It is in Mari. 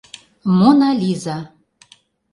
МОНА ЛИЗА